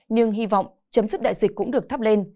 nhưng hy vọng chấm dứt đại dịch cũng được thắp lên